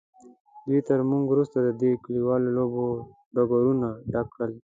دوی تر موږ وروسته د دې کلیوالو لوبو ډګرونه ډک کړل.